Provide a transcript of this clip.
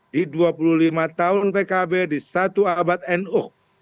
di dua puluh lima tahun pkb di satu abad nu